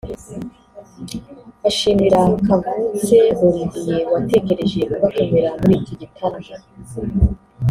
ashimira Kavutse Olivier watekereje kubatumira muri iki gitaramo